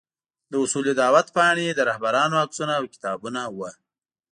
د اصول دعوت پاڼې، د رهبرانو عکسونه او کتابونه وو.